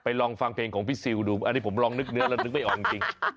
นี่นี่ซิลดูอันนี้ผมลองนึกเนื้อแล้วนึกไม่ออกจริง